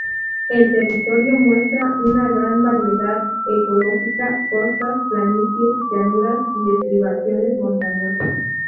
El territorio muestra una gran variedad ecológica: costas, planicies, llanuras y estribaciones montañosas.